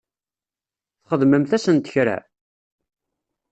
Txedmemt-asent kra?